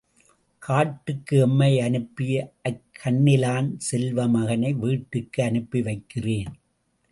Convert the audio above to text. காட்டுக்கு எம்மை அனுப்பிய அக்கண்ணிலான் செல்வமகனை வீட்டுக்கு அனுப்பி வைக்கிறேன்.